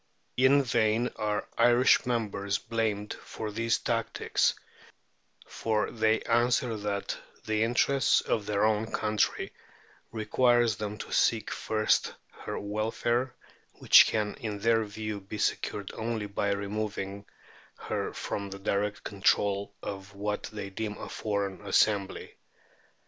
In vain are Irish members blamed for these tactics, for they answer that the interests of their own country require them to seek first her welfare, which can in their view be secured only by removing her from the direct control of what they deem a foreign assembly.